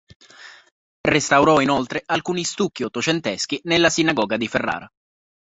Restaurò inoltre alcuni stucchi ottocenteschi nella Sinagoga di Ferrara.